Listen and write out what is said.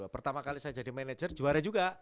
pertama kali saya jadi manajer juara juga